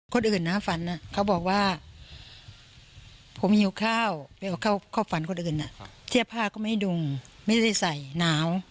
คนอื่นนะฝันเขาบอกว่าผมหิวข้าวไปเข้าฝันคนอื่นเสื้อผ้าก็ไม่ให้ดุงไม่ได้ใส่หนาว